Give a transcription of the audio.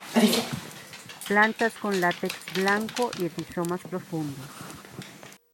Plantas con látex blanco y rizomas profundos.